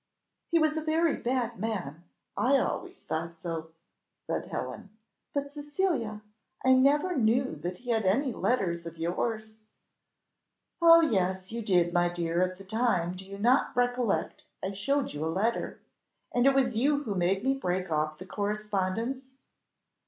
"He was a very bad man I always thought so," said Helen; "but, Cecilia, I never knew that he had any letters of yours." "Oh yes, you did, my dear, at the time; do not you recollect I showed you a letter, and it was you who made me break off the correspondence?"